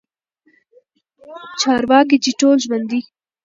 چارواکي چې ټول ژوندي